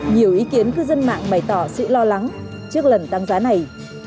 nhiều ý kiến cư dân mạng bày tỏ sự lo lắng trước lần tăng giá này